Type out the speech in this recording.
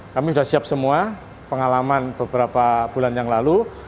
kami sudah siap semua pengalaman beberapa bulan yang lalu